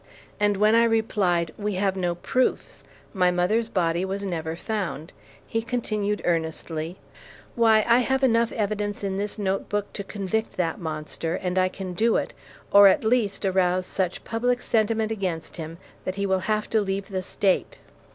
And when I replied, "We have no proofs. My mother's body was never found," he continued earnestly, "Why, I have enough evidence in this note book to convict that monster, and I can do it, or at least arouse such public sentiment against him that he will have to leave the State."